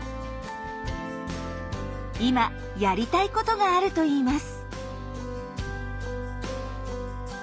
今やりたいことがあるといいます。